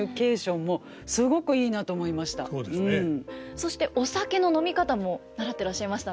そしてお酒の飲み方も習ってらっしゃいましたね。